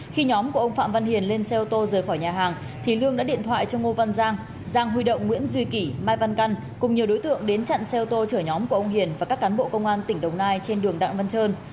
khi nhóm của ông phạm văn hiền lên xe ô tô rời khỏi nhà hàng thì lương đã điện thoại cho ngô văn giang giang huy động nguyễn duy kỷ mai văn căn cùng nhiều đối tượng đến chặn xe ô tô chở nhóm của ông hiền và các cán bộ công an tỉnh đồng nai trên đường đặng văn trơn